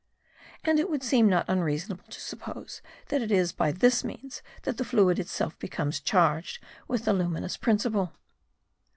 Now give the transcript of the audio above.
And it would seem not unreasonable to suppose, that it is M A R D I. 149 by this means that the fluid itself becomes charged with the luminous principle.